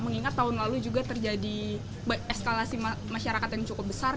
mengingat tahun lalu juga terjadi eskalasi masyarakat yang cukup besar